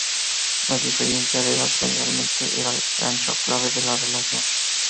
La diferencia de edad generalmente era el gancho clave de la relación.